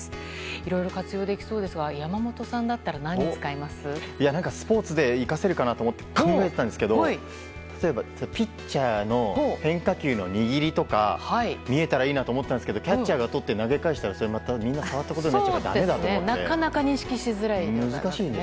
いろいろ活用できそうですが山本さんだったらスポーツで生かせると思って考えてたんですけど例えばピッチャーの変化球の握りとか見えたらいいなと思ったんですけどキャッチャーがとって投げ返したら触ったことになっちゃうからなかなか認識しづらいですね。